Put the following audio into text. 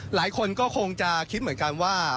หลายคนก็คงจะคิดเหมือนกันว่า